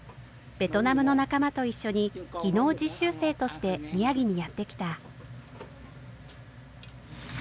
ベトナムの仲間と一緒に技能実習生として宮城にやって来た。